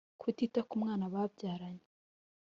kutita ku mwana babyaranye